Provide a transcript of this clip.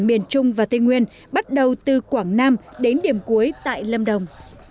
miền trung và tây nguyên bắt đầu từ quảng nam đến điểm cuối tại lâm đồng